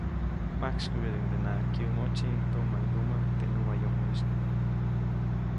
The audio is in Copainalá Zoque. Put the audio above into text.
Majksykubyädiʼuŋdenaʼajk kyäʼmoʼtsi tuʼmaŋduʼmaŋ teʼ näwayomoʼisy nye.